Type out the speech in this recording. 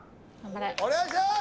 ・お願いします！